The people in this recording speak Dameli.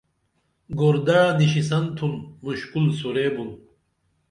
گور دعہ نِشِسن تِھن مُشکُل سُرے بُن